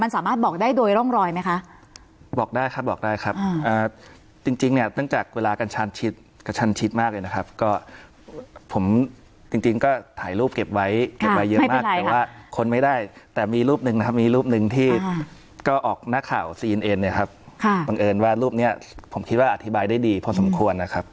สามารถบอกได้โดยร่องรอยไหมคะบอกได้ครับบอกได้ครับจริงจริงเนี่ยเนื่องจากเวลากันชันชิดกระชันชิดมากเลยนะครับก็ผมจริงจริงก็ถ่ายรูปเก็บไว้เก็บไว้เยอะมากแต่ว่าคนไม่ได้แต่มีรูปหนึ่งนะครับมีรูปหนึ่งที่ก็ออกนักข่าวซีเอ็นเอ็นเนี่ยครับค่ะบังเอิญว่ารูปเนี้ยผมคิดว่าอธิบายได้ดีพอสมควรนะครับ